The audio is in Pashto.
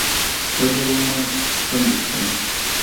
تږې ومه، تنده شوم